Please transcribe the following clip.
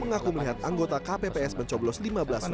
mengaku melihat anggota kpps mencoblos lima belas surat surat surat ini